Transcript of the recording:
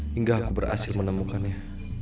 hingga aku berhasil menemukannya